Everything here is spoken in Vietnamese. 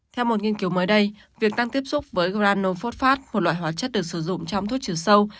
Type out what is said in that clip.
theo một nghiên cứu mới đây việc tăng tiếp xúc với granophod phát một loại hóa chất được sử dụng trong thuốc trừ sâu